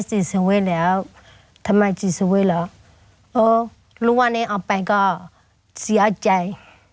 ที่ลูกสาวทำงานคือบอกเลยบอกเลยว่าพอลูกว่าออกไปานคือน้องสาวเนี่ย